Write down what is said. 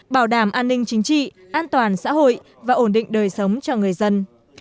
bảo đảm an ninh chính trị an toàn xã hội và ổn định đời sống cho người dân